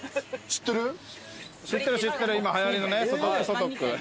知ってる知ってる今はやりのねソトックソトック。